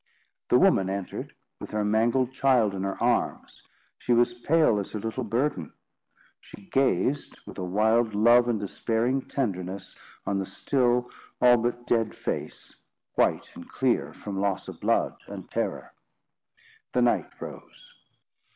The woman entered, with her mangled child in her arms. She was pale as her little burden. She gazed, with a wild love and despairing tenderness, on the still, all but dead face, white and clear from loss of blood and terror. The knight rose.